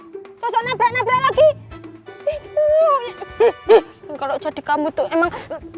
hai pesona bener lagi kalau jadi kamu tuh emang